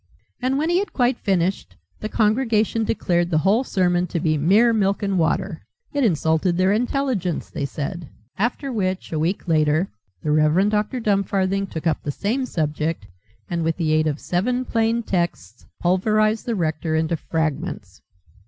And when he had quite finished, the congregation declared the whole sermon to be mere milk and water. It insulted their intelligence, they said. After which, a week later, the Rev. Dr. Dumfarthing took up the same subject, and with the aid of seven plain texts pulverized the rector into fragments.